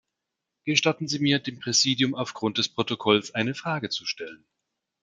Gestatten Sie mir, dem Präsidium aufgrund des Protokolls eine Frage zu stellen.